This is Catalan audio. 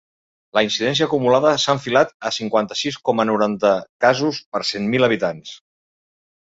La incidència acumulada s’ha enfilat a cinquanta-sis coma noranta casos per cent mil habitants.